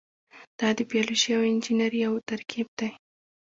دا د بیولوژي او انجنیری یو ترکیب دی.